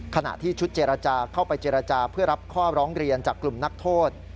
ขณะที่ชุดเจรจาเข้าไปเจรจาเพื่อรับข้อร้องเรียนจากกลุ่มนักโทษ